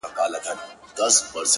چي مرور نه یم; چي در پُخلا سم تاته;